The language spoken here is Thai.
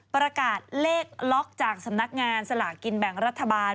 ประกาศเลขล็อกจากสำนักงานสลากกินแบ่งรัฐบาล